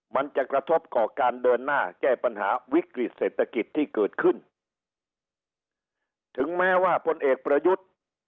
มันจะกระทบต่อการเดินหน้าแก้ปัญหาวิกฤติเศรษฐกิจที่เกิดขึ้นถึงแม้ว่าพลเอกประยุทธ์